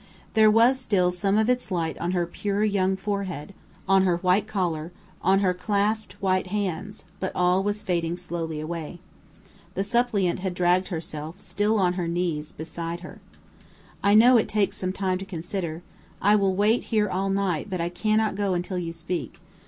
There was still some of its light on her pure young forehead, on her white collar, on her clasped white hands, but all fading slowly away. The suppliant had dragged herself, still on her knees, beside her. "I know it takes time to consider. I will wait here all night; but I cannot go until you speak.